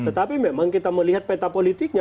tetapi memang kita melihat peta politiknya